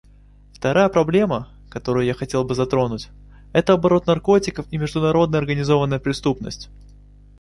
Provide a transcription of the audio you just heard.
Вторая проблема, которую я хотел бы затронуть, это оборот наркотиков и международная организованная преступность.